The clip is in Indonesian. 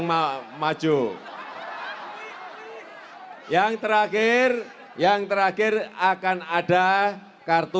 tunjuk jari angkat